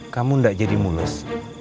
kamu nggak jadi mulus